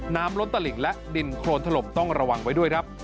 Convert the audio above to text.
ล้นตลิ่งและดินโครนถล่มต้องระวังไว้ด้วยครับ